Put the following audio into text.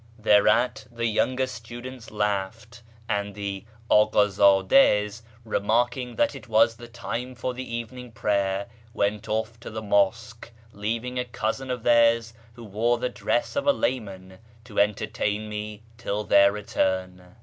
Thereat the younger students laughed, and the Akd zddas, remarking that it was the time for the evening prayer, went off to the mosque, leaving a cousin of theirs, who wore the dress of a layman, to entertain me till their return.